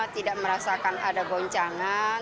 tidak merasakan ada goncangan